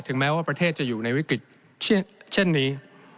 แม้ว่าประเทศจะอยู่ในวิกฤตเช่นนี้